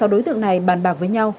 sáu đối tượng này bàn bạc với nhau